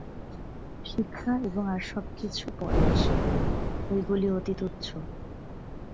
শিক্ষা এবং আর সব কিছু পরে আসে, ঐগুলি অতি তুচ্ছ।